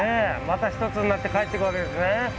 また一つになって帰っていくわけですね。